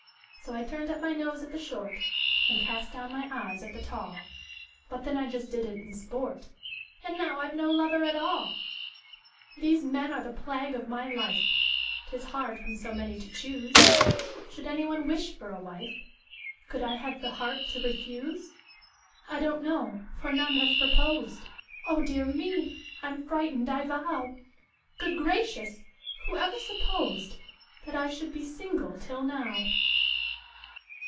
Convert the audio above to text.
So I turned up my nose at the short, And cast down my eyes at the tall; But then I just did it in sport And now I've no lover at all! These men are the plague of my life: 'Tis hard from so many to choose! Should any one wish for a wife, Could I have the heart to refuse? I don't know for none have proposed Oh, dear me! I'm frightened, I vow! Good gracious! who ever supposed That I should be single till now?